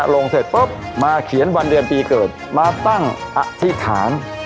เสร็จปุ๊บมาเขียนวันเดือนปีเกิดมาตั้งอธิษฐาน